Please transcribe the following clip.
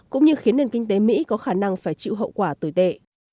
cũng như khiến nền kinh tế mỹ có khả năng phải chịu hậu quả tồi tệ